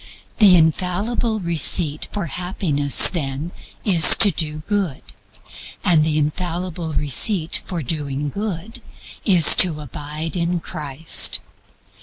The infallible receipt for Happiness, then, is to do good; and the infallible receipt for doing good is to abide in Christ.